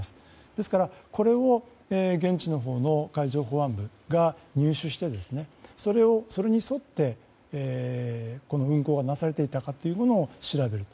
ですから、これを現地のほうの海上保安部が入手してそれに沿って、運航がなされていたかを調べる。